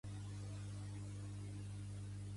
Pertany al moviment independentista l'Amparin?